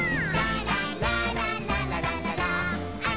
「ラララララララララー」